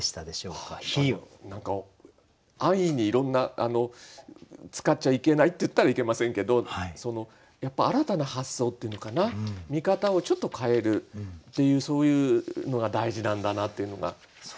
安易にいろんな使っちゃいけないっていったらいけませんけどやっぱり新たな発想というのかな見方をちょっと変えるっていうそういうのが大事なんだなというのが。